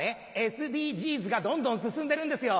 ＳＤＧｓがどんどん進んでるんですよ！